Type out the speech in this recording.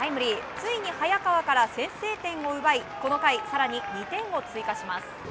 ついに早川から先制点を奪いこの回、更に２点を追加します。